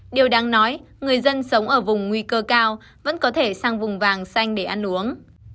điều đáng nói người dân sống ở vùng nguy cơ cao vẫn có thể sang vùng vàng xanh để ăn uống